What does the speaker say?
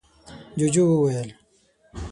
ُجوجُو وويل: